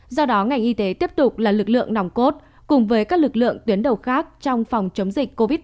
do đó ngành y tế tiếp tục là lực lượng nòng cốt cùng với các lực lượng tuyến đầu khác trong phòng chống dịch covid một mươi chín